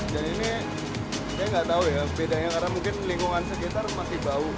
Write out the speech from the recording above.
dan ini saya nggak tahu ya bedanya karena mungkin lingkungan sekitar masih bau